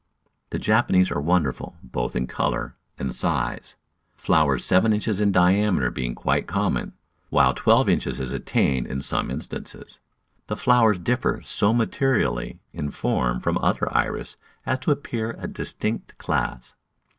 The Japanese are wonderful, both in colour and size — flowers seven inches in diameter being quite common, while twelve inches is attained in some instances. The flowers differ so materially in form from other Iris as to appear a distinct class.